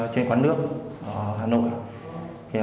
trên quán nước hà nội